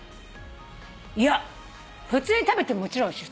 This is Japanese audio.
いや普通に食べてももちろんおいしい。